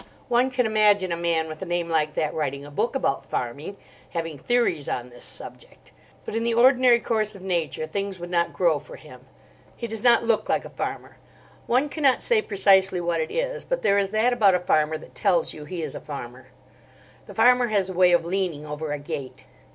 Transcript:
One can imagine a man with a name like that writing a book about farming, having theories on this subject. But in the ordinary course of nature things would not grow for him. He does not look like a farmer. One cannot say precisely what it is, but there is that about a farmer that tells you he is a farmer. The farmer has a way of leaning over a gate.